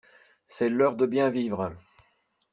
C’est l’heure de bien vivre.